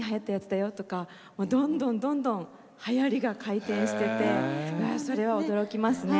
どんどんどんどんはやりが回転しててそれは驚きますね。